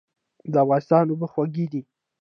د افغانستان اوبه خوږې دي.